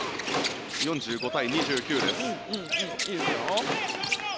４５対２９です。